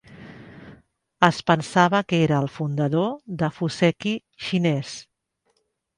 Es pensava que era el fundador de "fuseki xinès".